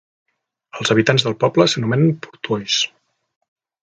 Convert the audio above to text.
Els habitants del poble s'anomenen "portois".